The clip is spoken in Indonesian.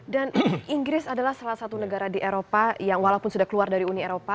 dan inggris adalah salah satu negara di eropa yang walaupun sudah keluar dari uni eropa